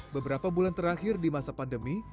beberapa bulan terakhir di masa pandemi